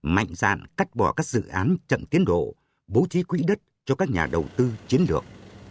mạnh dạn cắt bỏ các dự án chậm tiến độ bố trí quỹ đất cho các nhà đầu tư chiến lược